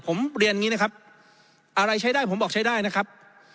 ผมเรียนอย่างนี้นะครับอะไรใช้ได้ผมบอกใช้ได้นะครับ